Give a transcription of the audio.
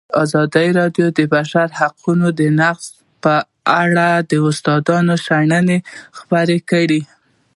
ازادي راډیو د د بشري حقونو نقض په اړه د استادانو شننې خپرې کړي.